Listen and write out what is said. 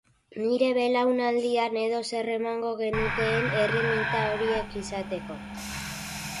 Nire belaunaldian edozer emango genukeen erreminta horiek izateko.